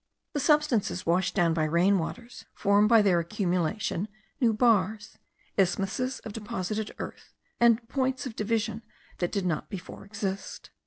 The substances washed down by rain waters form by their accumulation new bars, isthmuses of deposited earth, and points of division that did not before exist.